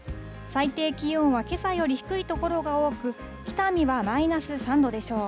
最低気温はけさより低い所が多く、北見はマイナス３度でしょう。